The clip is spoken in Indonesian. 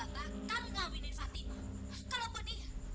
saya udah muntah ke rumah